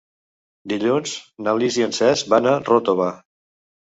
Dilluns na Lis i en Cesc van a Ròtova.